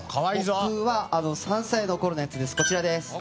僕は３歳のころのやつです。